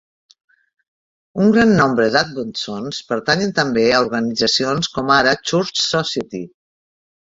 Un gran nombre d'advowsons pertanyen també a organitzacions com ara Church Society.